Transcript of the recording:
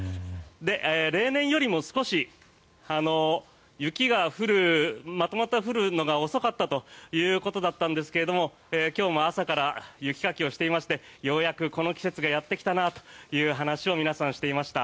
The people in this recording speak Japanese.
例年よりも少し雪が降るまとまって降るのが遅かったということだったんですが今日も朝から雪かきをしていましてようやく、この季節がやってきたなという話を皆さん、していました。